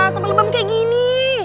sama lebam kayak gini